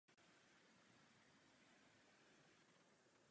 Takže růst úrovně cen potravin může mít mnoho důvodů.